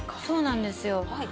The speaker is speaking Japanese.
そうなんですよ。